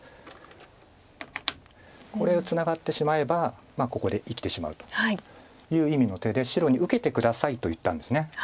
これツナがってしまえばここで生きてしまうという意味の手で白に受けて下さいと言ったんです。